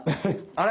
あれ？